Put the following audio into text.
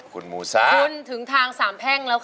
คุณมูซ่าคุณถึงทางสามแพ่งแล้วค่ะ